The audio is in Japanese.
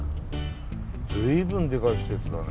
随分でかい施設だね。